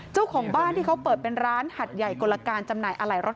เจ้าของบ้านที่เขาเปิดเป็นร้านหัดใหญ่กลการจำหน่ายอะไหล่รถ